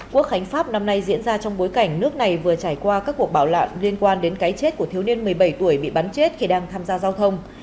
quốc khánh pháp năm nay diễn ra trong bối cảnh nước này vừa trải qua các cuộc bảo lạc liên quan đến cái chết của thiếu niên một mươi bảy tuổi bị bắn chết khi đang tham gia giao thông